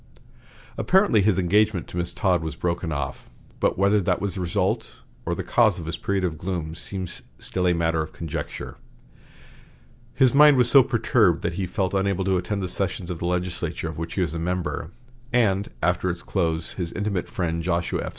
Apparently his engagement to Miss Todd was broken off, but whether that was the result or the cause of his period of gloom seems still a matter of conjecture. His mind was so perturbed that he felt unable to attend the sessions of the legislature of which he was a member; and after its close his intimate friend Joshua F.